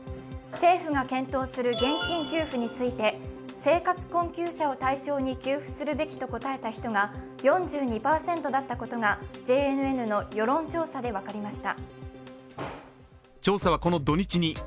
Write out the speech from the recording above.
政府が検討する現金給付について、生活困窮者を対象に給付するべきと答えた人が４２％だったことがＪＮＮの世論調査で分かりました。